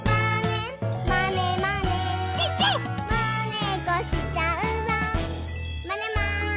「まねっこしちゃうぞまねまねぽん！」